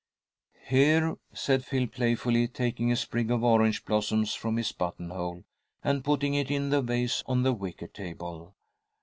"Here," said Phil, playfully, taking a sprig of orange blossoms from his buttonhole, and putting it in the vase on the wicker table.